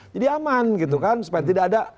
jadi aman gitu kan supaya tidak ada